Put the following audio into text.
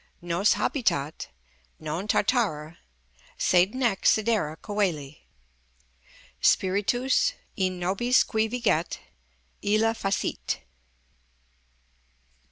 Nos habitat, non tartara, sed nec sidera coeli: Spiritus, in nobis qui viget, illa facit.